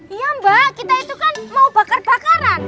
iya mbak kita itu kan mau bakar bakaran